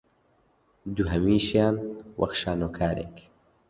دووهەمیشیان وەک شانۆکارێک